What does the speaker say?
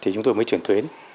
chúng tôi mới chuyển tuyến